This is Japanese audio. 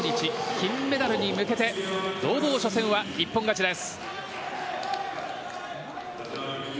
金メダルに向けて堂々、初戦は１本勝ちです。